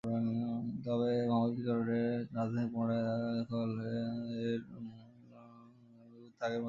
তবে মহামারীর কারণে রাজধানী পুনরায় তান্ডায় সরিয়ে নেয়া নিলেও এর গুরুত্ব আগের মত ছিল না।